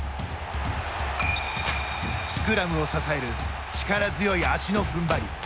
スクラムを支える力強い足のふんばり。